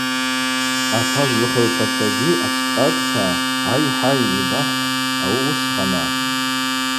Атажв лыхыгӏвпачвагьи ацшӏакӏта: Ай-хӏай, йбахӏхӏвпӏ, ауи уысхама.